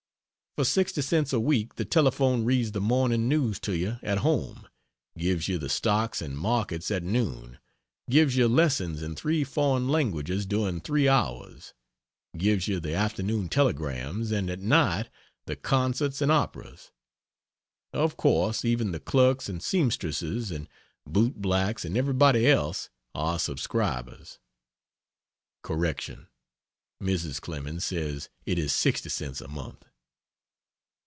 For 60 cents a week the telephone reads the morning news to you at home; gives you the stocks and markets at noon; gives you lessons in 3 foreign languages during 3 hours; gives you the afternoon telegrams; and at night the concerts and operas. Of course even the clerks and seamstresses and bootblacks and everybody else are subscribers. (Correction. Mrs. Clemens says it is 60 cents a month.)